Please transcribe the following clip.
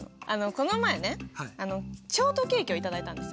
この前ねショートケーキを頂いたんですよ。